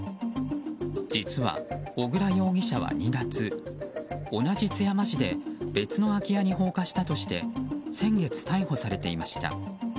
実は小倉容疑者は２月同じ津山市で別の空き家に放火したとして先月、逮捕されていました。